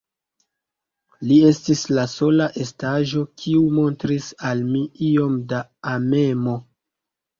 Li estis la sola estaĵo, kiu montris al mi iom da amemo.